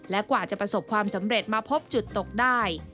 และกว่าจะประสบความสำเร็จมาพบจุดตกได้